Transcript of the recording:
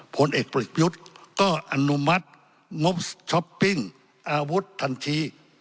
ผลเอกประยุทธ์ก็อนุมัติงบช้อปปิ้งอาวุธทันที